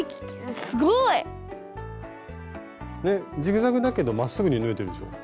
ねジグザグだけどまっすぐに縫えてるでしょ。